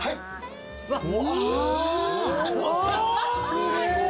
すげえ！